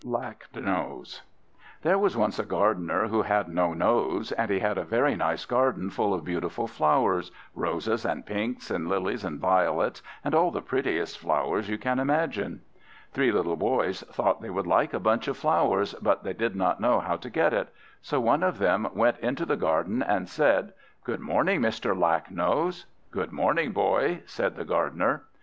LACKNOSE There was once a Gardener who had no nose, and he had a very nice garden full of beautiful flowers: roses, and pinks, and lilies, and violets, and all the prettiest flowers you can imagine. Three little boys thought they would like a bunch of flowers, but they did not know how to get it. So one of them went into the garden and said: "Good morning, Mr. Lacknose!" "Good morning, boy," said the Gardener.